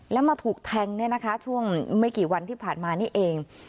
แล้วมาถูกแทงเนี่ยนะคะช่วงไม่กี่วันที่ผ่านมานี่เอง